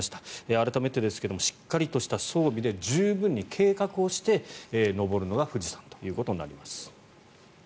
改めてですがしっかりとした装備で十分に計画をして登るのが富士山ということになります。